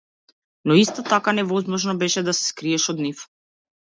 Но исто така невозможно беше да се скриеш од нив.